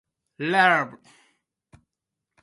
"There's only so much you can game out," said Gearan.